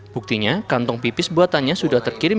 buktinya kantong pipis buatannya sudah terkirim